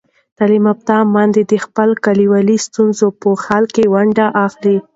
تعلیم یافته میندې د خپلو کلیوالو ستونزو په حل کې ونډه اخلي.